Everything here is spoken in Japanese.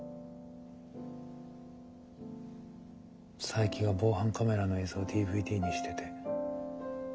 佐伯が防犯カメラの映像をＤＶＤにしてて。